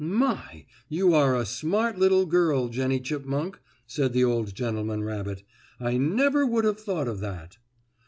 "My! But you are a smart little girl, Jennie Chipmunk," said the old gentleman rabbit. "I never would have thought of that."